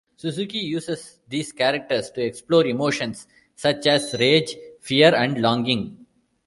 Suzuki uses these characters to explore emotions such as rage, fear and longing.